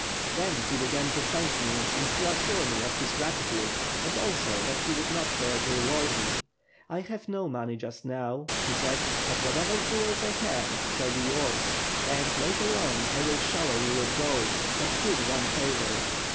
Then, he began to thank me and to assure me of his grati tude and also that he would not fail to reward me. *I have no money just now' he said 'but whatever jewels I have shall be yours; and, later on, I will shower you with gold, but do me one favor.'